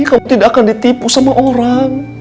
kamu tidak akan ditipu sama orang